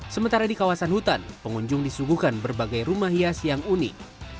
sementara di kawasan hutan pengunjung disuguhkan berbagai rumah hias yang unik